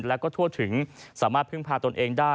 แล้วก็ทั่วถึงสามารถพึ่งพาตนเองได้